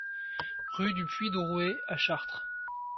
Rue du Puits Drouet à Chartres